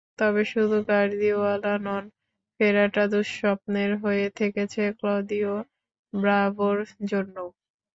তবে শুধু গার্দিওলা নন, ফেরাটা দুঃস্বপ্নের হয়ে থেকেছে ক্লদিও ব্রাভোর জন্যও।